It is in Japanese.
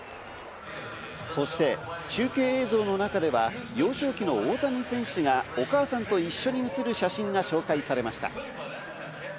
そして中継映像の中では幼少期の大谷選手がお母さんと一緒に写る写真が紹介されました。